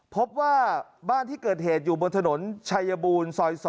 พบว่าบ้านที่เกิดเหตุอยู่บนถนนชัยบูรซอย๒